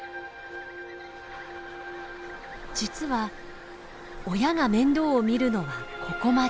実は親が面倒を見るのはここまで。